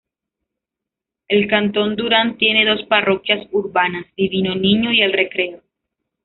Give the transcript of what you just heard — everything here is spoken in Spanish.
El canton Duran tiene dos parroquias urbanas: Divino Niño y El Recreo.